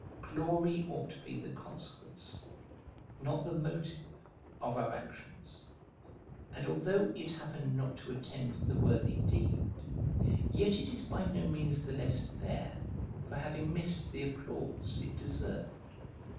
Glory ought to be the consequence, not the motive, of our actions; and although it happen not to attend the worthy deed, yet it is by no means the less fair for having missed the applause it deserved.